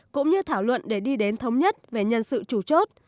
cũng như thảo luận để đi đến thống nhất về nhân sự chủ chốt